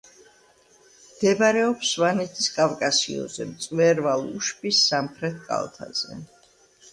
მდებარეობს სვანეთის კავკასიონზე, მწვერვალ უშბის სამხრეთ კალთაზე.